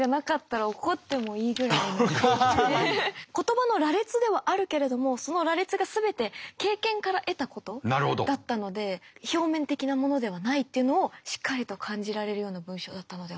言葉の羅列ではあるけれどもその羅列が全て経験から得たことだったので表面的なものではないっていうのをしっかりと感じられるような文章だったのではと。